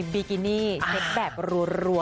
บีกินี่เช็คแบบรัว